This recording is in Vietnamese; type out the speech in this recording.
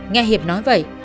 nghe hiệp nói vậy